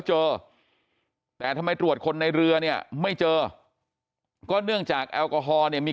เจอแต่ทำไมตรวจคนในเรือเนี่ยไม่เจอก็เนื่องจากแอลกอฮอล์เนี่ยมี